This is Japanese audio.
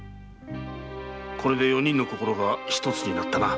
これで四人の心がひとつになったな。